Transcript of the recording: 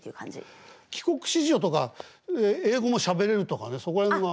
帰国子女とか英語もしゃべれるとかねそこら辺は。